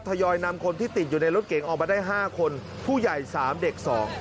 ทยอยนำคนที่ติดอยู่ในรถเก๋งออกมาได้๕คนผู้ใหญ่๓เด็ก๒